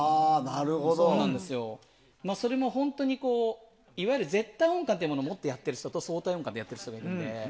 それも本当にいわゆる絶対音感というものを持ってやっている人と相対音感の人がいるので。